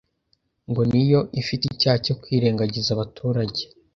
ngo niyo ifite icyaha cyo kwirengagiza abaturage